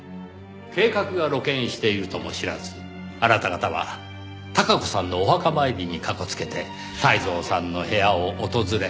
計画が露見しているとも知らずあなた方は孝子さんのお墓参りにかこつけて泰造さんの部屋を訪れ。